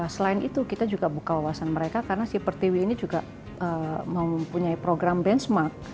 selain itu kita juga buka wawasan mereka karena si pertiwi ini juga mempunyai program benchmark